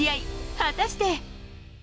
果たして。